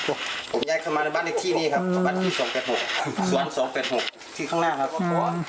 วิตาลำชิ้นดี